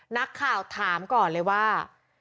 นักข่าวถามก่อนเลยว่า